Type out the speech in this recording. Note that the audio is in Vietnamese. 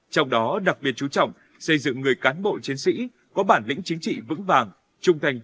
trong đó đặc biệt chú trọng xây dựng người cán bộ chiến sĩ có bản lĩnh chính trị vững vàng